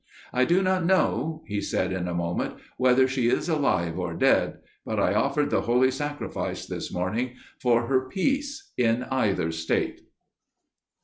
"I do not know," he said in a moment, "whether she is alive or dead, but I offered the Holy Sacrifice this morning for her peace in either state."